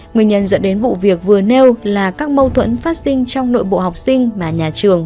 nguyên nhân dẫn đến vụ việc vừa nêu là các mâu thuẫn phát sinh trong nội bộ học sinh mà nhà trường